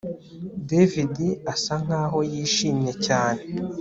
David asa nkaho yishimye cyane